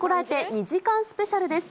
２時間スペシャルです。